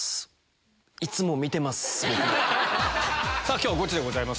今日はゴチでございます。